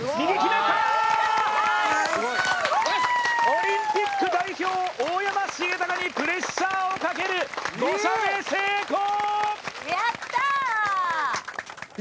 オリンピック代表、大山重隆にプレッシャーをかける５射目成功！